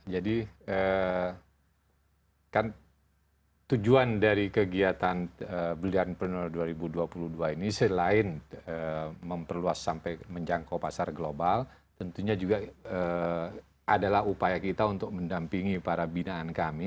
jadi kan tujuan dari kegiatan brilliantpreneur dua ribu dua puluh dua ini selain memperluas sampai menjangkau pasar global tentunya juga adalah upaya kita untuk mendampingi para binaan